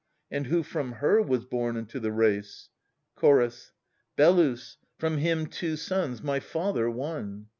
And who from her was born unto the race ? Chorus. Belus : from him two sons, my father one.